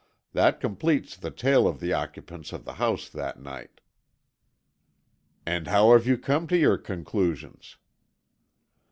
That completes the tale of the occupants of the house that night." "And how have you come to your conclusions?"